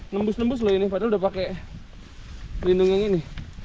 nembus nembus loh ini padahal udah pakai pelindung yang ini